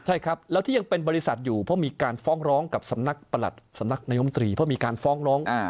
ใช่ครับแล้วที่ยังเป็นบริษัทอยู่เพราะมีการฟ้องร้องกับสำนักประหลัดสำนักนายมตรีเพราะมีการฟ้องร้อง